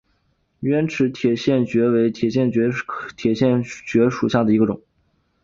圆齿铁线蕨为铁线蕨科铁线蕨属下的一个种。